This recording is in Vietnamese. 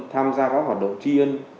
tham gia các hoạt động tri ân